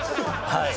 はい。